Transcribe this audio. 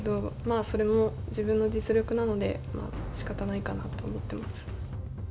あそれも自分の実力なのでしかたないかなと思ってます。